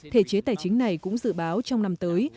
thể chế tài chính này cũng dự báo trong năm tới